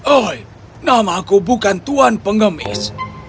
oh nama aku bukan tuan pengemis